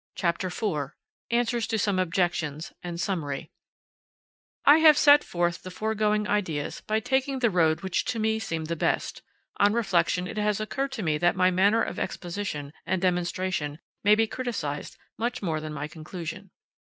] CHAPTER IV ANSWERS TO SOME OBJECTIONS, AND SUMMARY I have set forth the foregoing ideas by taking the road which to me seemed the best. On reflection it has occurred to me that my manner of exposition and demonstration may be criticised much more than my conclusion.